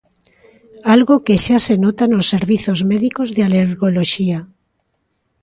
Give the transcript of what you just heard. Algo que xa se nota nos servizos médicos de alergoloxía.